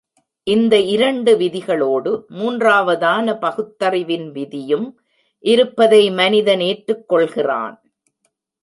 இந்த இரண்டு விதிகளோடு மூன்றாவதான பகுத்தறிவின் விதியும் இருப்பாத மனிதன் ஏற்றுக் கொள்கிறான்.